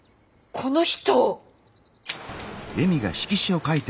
この人！